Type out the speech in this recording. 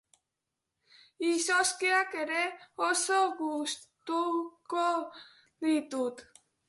Izozkiak ere oso gustuko ditut.